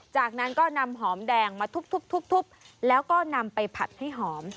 จากนั้นก็นำหอมแดงมาทุบแล้วก็นำไปผัดให้หอม